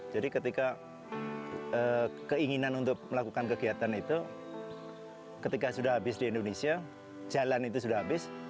jadi ketika keinginan untuk melakukan kegiatan itu ketika sudah habis di indonesia jalan itu sudah habis